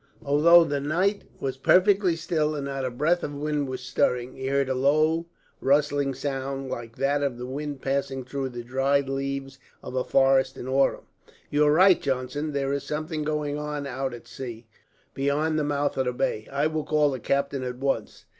Although the night was perfectly still, and not a breath of wind was stirring, he heard a low rustling sound, like that of the wind passing through the dried leaves of a forest, in autumn. "You are right, Johnson, there is something going on out at sea, beyond the mouth of the bay. I will call the captain, at once."